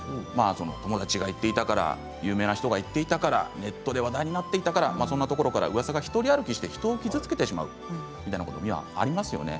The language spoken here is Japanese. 友達が言っていたから有名な人が言っていたからネットで話題になっていたからそんなところから、うわさが独り歩きして人を傷つけてしまうということありますよね。